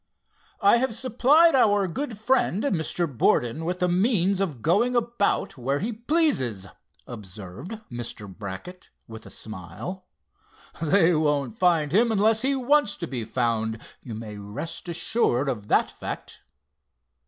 "I have supplied our good friend, Mr. Borden, with the means of going about where he pleases," observed Mr. Brackett with a smile. "They won't find him unless he wants to be found, you may rest assured of that fact."